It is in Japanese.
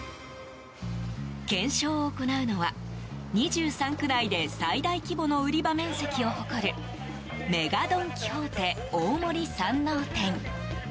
検証を行うのは２３区内で最大規模の売り場面積を誇るＭＥＧＡドン・キホーテ大森山王店。